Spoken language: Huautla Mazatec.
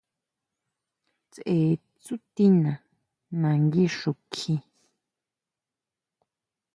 Tseʼe tsútina nangui xukjí.